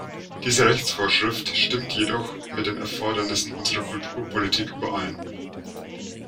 Diese Rechtsvorschrift stimmt jedoch mit den Erfordernissen unserer Kulturpolitik überein.